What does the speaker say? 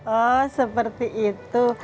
oh seperti itu